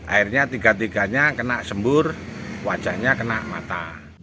akhirnya tiga tiganya kena sembur wajahnya kena mata